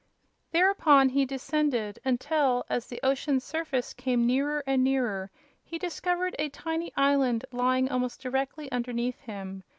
Thereupon he descended until, as the ocean's surface same nearer and nearer, he discovered a tiny island lying almost directly underneath him.